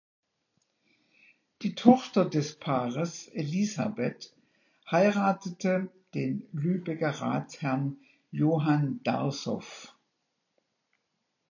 Die Tochter des Paares Elisabeth heiratete den Lübecker Ratsherrn Johann Darsow.